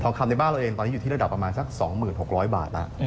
คำในบ้านเราเองตอนนี้อยู่ที่ระดับประมาณสัก๒๖๐๐บาทแล้ว